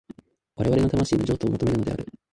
我々の魂の譲渡を求めるのである。